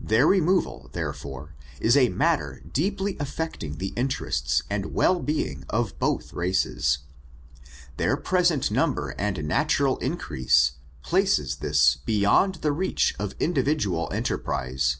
Their renu>val, therefore, is a matter deeply affecting the interests and well being of both races. Their present number and natural increase, places this beyond the reach of individual enterprise.